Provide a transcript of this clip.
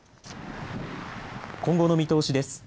今後の見通しです。